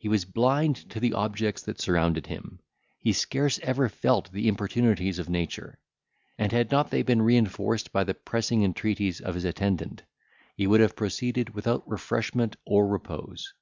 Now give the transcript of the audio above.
He was blind to the objects that surrounded him; he scarce ever felt the importunities of nature; and had not they been reinforced by the pressing entreaties of his attendant, he would have proceeded without refreshment or repose.